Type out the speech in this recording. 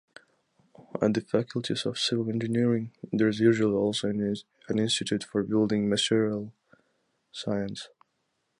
At the faculties of civil engineering there is usually also an institute for building materials science.